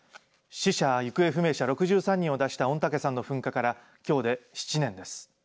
死者、行方不明者６３人を出した御嶽山の噴火からきょうで７年です。